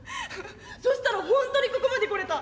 そしたら本当にここまで来れた。